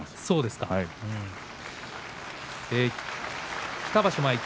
そうですか。